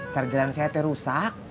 charger an saya itu rusak